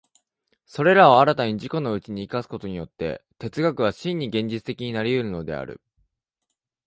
それらを新たに自己のうちに生かすことによって、哲学は真に現実的になり得るのである。